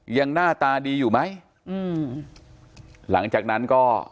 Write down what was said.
หน้าตาดีอยู่ไหมอืมหลังจากนั้นก็